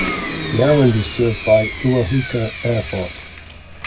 The island is served by Ua Huka Airport.